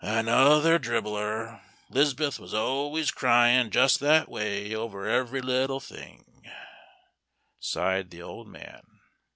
"Another dribbler 'Liz'beth was always cryin' just that way over every little thing," sighed the old man.